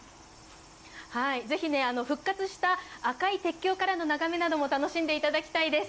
是非、復活した赤い鉄橋からの眺めも楽しんでいただきたいです。